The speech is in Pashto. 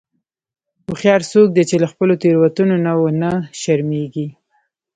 هوښیار څوک دی چې له خپلو تېروتنو نه و نه شرمیږي.